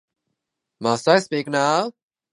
Must I speak now?